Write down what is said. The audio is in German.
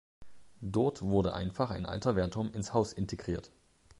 Dort wurde einfach ein alter Wehrturm ins Haus integriert.